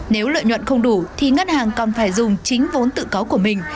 nếu lợi nhuận không đủ thì ngân hàng còn phải dùng chính vốn tự có của mình